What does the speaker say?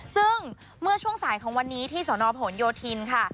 ซึ่งเมื่อช่วงสายของวันนี้ที่สนผลโยธินค่ะ